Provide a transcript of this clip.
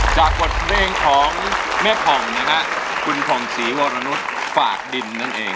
จากบทเพลงของแม่ผ่องนะฮะคุณผ่องศรีวรนุษย์ฝากดินนั่นเอง